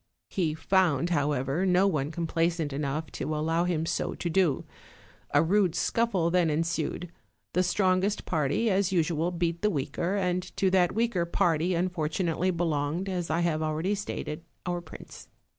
He found, however, no one complaisant enough to allow him so to do. A rude scuffle then ensued; the strongest party as usual beat the weaker, and to that weaker party unfortunately belonged as I have already stated our prince.